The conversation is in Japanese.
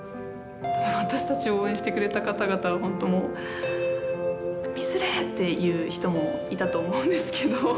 私たちを応援してくれた方々は本当もうミスれ！っていう人もいたと思うんですけど。